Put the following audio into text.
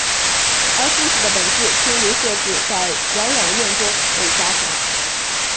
而故事的本质经由设置在疗养院中被加强。